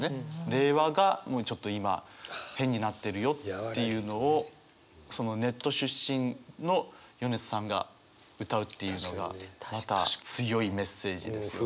令和がもうちょっと今変になってるよっていうのをそのネット出身の米津さんが歌うっていうのがまた強いメッセージですよね。